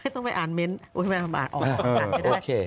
ต้องไปอ่านเม้นท์ออกมาอ่านไม่ได้